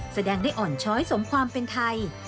แสดงได้อ่อนช้อยสมความเป็นไทย